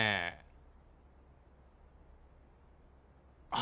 あ。